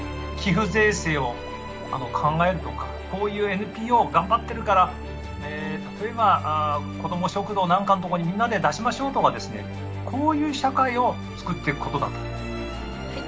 寄付税制を考えるとかこういうＮＰＯ頑張ってるから例えば子ども食堂なんかのところにみんなで出しましょうとかですねこういう社会を作っていくことだと。